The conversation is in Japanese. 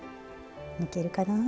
抜けるかな。